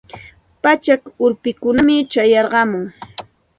Pachak urpikunam chayarqamun.